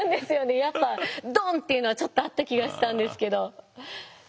やっぱドンッていうのはちょっとあった気がしたんですけど。